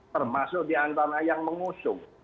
termasuk di antara yang mengusung